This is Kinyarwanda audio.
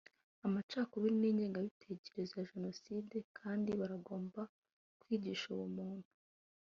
amacakubiri n’ingengabitekerezo ya Jenoside kandi baragombaga kwigisha ubumuntu